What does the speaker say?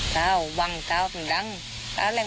ที่บอกไปอีกเรื่อยเนี่ย